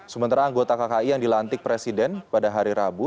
sementara anggota kki yang dilantik presiden pada hari rabu